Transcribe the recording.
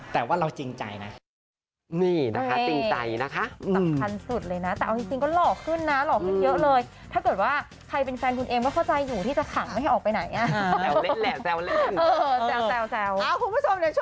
แต่ว่าเราจริงใจครับ